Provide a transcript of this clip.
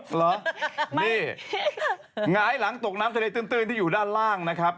เหรอนี่หงายหลังตกน้ำทะเลตื้นที่อยู่ด้านล่างนะครับ